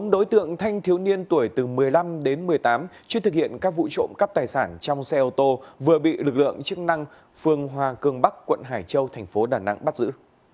bốn đối tượng thanh thiếu niên tuổi từ một mươi năm đến một mươi tám chuyên thực hiện các vụ trộm cắp tài sản trong xe ô tô vừa bị lực lượng chức năng phương hòa cường bắc quận hải châu thành phố đà nẵng bắt giữ